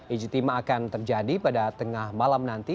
ijtima akan terjadi pada tengah malam nanti